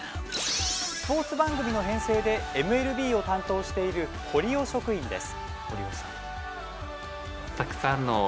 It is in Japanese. スポーツ番組の編成で、ＭＬＢを担当している堀尾職員です。